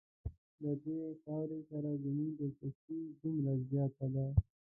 له دې خاورې سره زموږ دلچسپي دومره زیاته ده.